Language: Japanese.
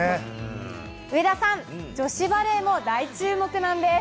上田さん、女子バレーも大注目なんです。